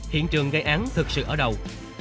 hiện trường gây án thực sự ở đâu